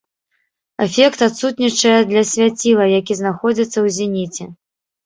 Эфект адсутнічае для свяціла, які знаходзіцца ў зеніце.